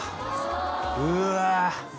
うわ